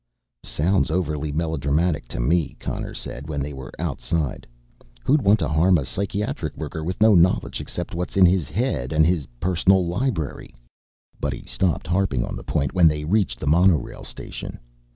"Sounds overly melodramatic to me," Connor said when they were outside. "Who'd want to harm a psychiatric worker with no knowledge except what's in his head and his personal library?" But he stopped harping on the point when they reached the monorail station.